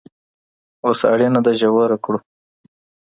اوس اړينه ده ژوره کړو.